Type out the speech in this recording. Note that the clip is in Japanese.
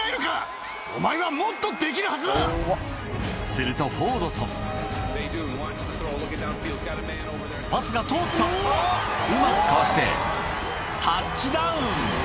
するとフォードソンパスが通ったうまくかわしてタッチダウン！